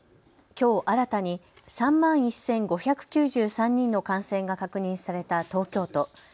きょう新たに３万１５９３人の感染が確認された東京都。